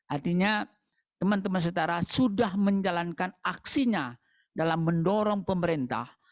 artinya teman teman setara sudah menjalankan aksinya dalam mendorong pemerintah